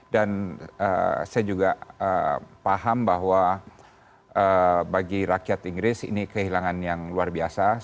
dan saya juga paham bahwa bagi rakyat inggris ini kehilangan yang luar biasa